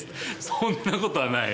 そんなことはない。